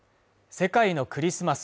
世界のクリスマス